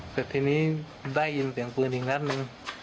แต่ทีนี้ได้ยินเสียงปืนอีกนัดหนึ่ง